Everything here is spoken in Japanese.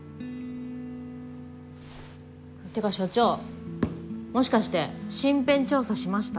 てか所長もしかして身辺調査しました？